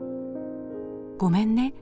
「ごめんね。